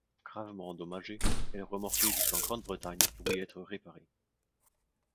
Gravement endommagée, elle est remorquée jusqu'en Grande-Bretagne pour y être réparée.